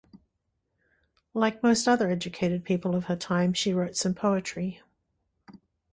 Like most other educated people of her time, she wrote some poetry.